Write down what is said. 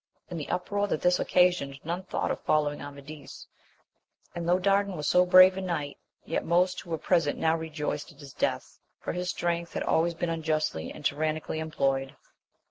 In the uproar that this occasioned, none thought of following Amadis ; and though Dardan was so brave a knight, yet most who were present now rejoiced at his death, for his strength had always been unjustly and tyranni cally employed.